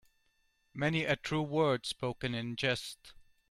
Many a true word spoken in jest.